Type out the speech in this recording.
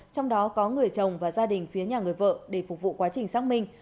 trong đó có người chồng và gia đình phía nhà người vợ để phục vụ quá trình xác minh